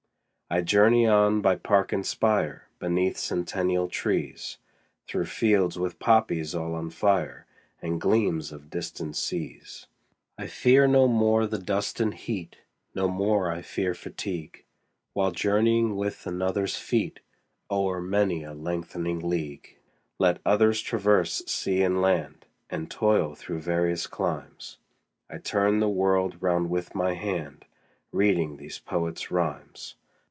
20 I journey on by park and spire, Beneath centennial trees, Through fields with poppies all on fire, And gleams of distant seas. I fear no more the dust and heat, 25 No more I fear fatigue, While journeying with another's feet O'er many a lengthening league. Let others traverse sea and land, And toil through various climes, 30 I turn the world round with my hand Reading these poets' rhymes.